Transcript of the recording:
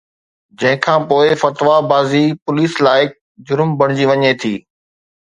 جنهن کان پوءِ فتويٰ بازي پوليس لائق جرم بڻجي وڃي ٿي